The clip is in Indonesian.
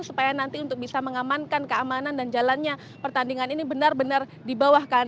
supaya nanti untuk bisa mengamankan keamanan dan jalannya pertandingan ini benar benar dibawahkan